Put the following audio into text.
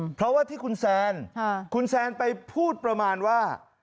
เพราะว่าที่คุณแซนคุณแซนไปพูดประมาณว่า